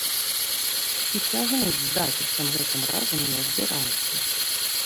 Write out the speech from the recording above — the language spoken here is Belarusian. І цягнуць з запісам гэтым разам не збіраюцца!